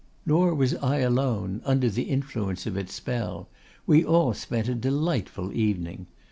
Nor was I alone under the influence of its spell; we all spent a delightful evening.